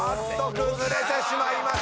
崩れてしまいました。